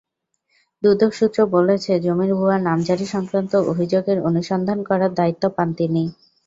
দুদক সূত্র বলেছে, জমির ভুয়া নামজারি-সংক্রান্ত অভিযোগের অনুসন্ধান করার দায়িত্ব পান তিনি।